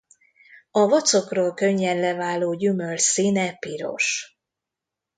A vacokról könnyen leváló gyümölcs színe piros.